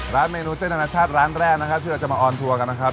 ร้านเมนูเส้นอนาชาติร้านแรกนะครับที่เราจะมาออนทัวร์กันนะครับ